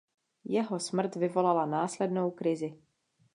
Jeho smrt vyvolala následnou krizi.